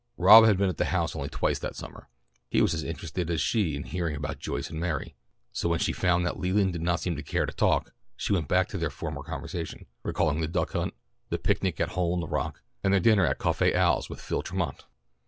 Rob had been at the house only twice that summer. He was as interested as she in hearing about Joyce and Mary, so when she found that Leland did not seem to care to talk, she went back to their former conversation, recalling the duck hunt, the picnic at Hole in the rock, and their dinner at "Coffe Al's" with Phil Tremont.